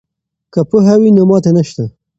که پوهه وي نو ماتې نشته.